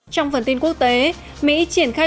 trong phần tin quốc tế mỹ triển khai